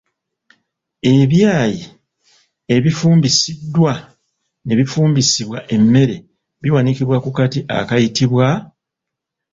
Ebyayi ebifumbisiddwa n'ebifumbisibwa emmere biwanikibwa ku kati akayitibwa?